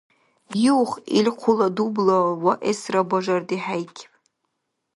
Юх, ил хъула дубла ваэсра бажардихӀейкиб.